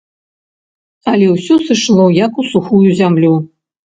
Але ўсё сыйшло, як у сухую зямлю.